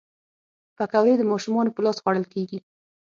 پکورې د ماشومانو په لاس خوړل کېږي